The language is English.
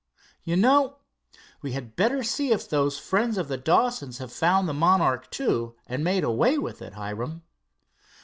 "You know we had better see if those friends of the Dawsons have found the Monarch II and made away with it, Hiram."